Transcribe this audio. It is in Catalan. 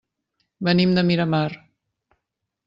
Venim de Miramar.